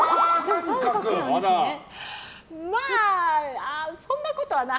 まあ、そんなことはない。